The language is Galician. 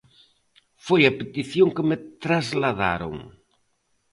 Foi a petición que me trasladaron.